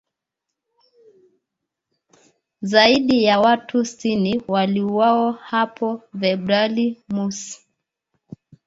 Zaidi ya watu sitini waliuawa hapo Februari mosi